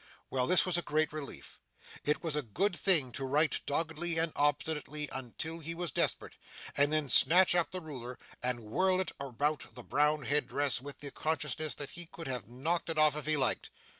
Well, this was a great relief. It was a good thing to write doggedly and obstinately until he was desperate, and then snatch up the ruler and whirl it about the brown head dress with the consciousness that he could have it off if he liked.